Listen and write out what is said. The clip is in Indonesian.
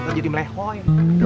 udah jadi melehoi